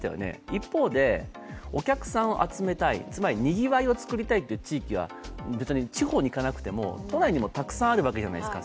一方で、お客さんを集めたい、つまりにぎわいを作りたいという場所は別に地方に行かなくても都内にたくさんあるわけじゃないですか。